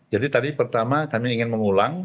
jadi tadi pertama kami ingin mengulang